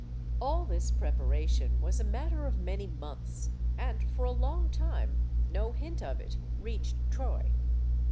All this preparation was a matter of many months, and for a long time no hint of it reached Troy.